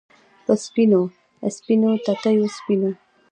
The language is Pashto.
په سپینو، سپینو تتېو سپینو